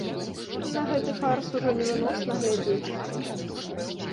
На гэты фарс ужо невыносна глядзець.